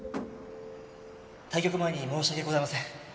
・対局前に申し訳ございません